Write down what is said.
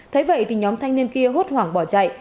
thế vậy thì nhóm thanh niên kia hốt hoảng bỏ chạy